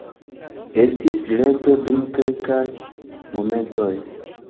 Estis silento dum kelkaj momentoj.